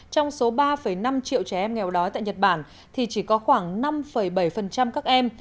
trong số ba năm triệu trẻ em nghèo đói tại nhật bản thì chỉ có khoảng năm bảy các em